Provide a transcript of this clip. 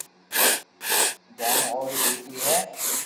جانو اوري ديڪري ھي